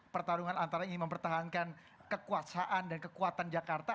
pertarungan antara ingin mempertahankan kekuasaan dan kekuatan jakarta